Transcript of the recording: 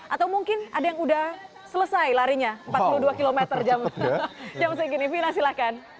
atau mungkin ada yang udah selesai larinya empat puluh dua km jam segini vina silahkan